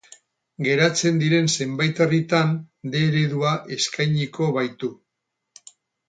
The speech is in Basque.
Geratzen diren zenbait herritan D eredua eskainiko baitu.